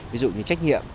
ví dụ như trách nhiệm